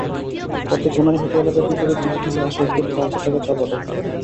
পথে গুনাইহাটি এলাকায় বিপরীত দিক থেকে আসা একটি ট্রাক তাঁকে চাপা দেয়।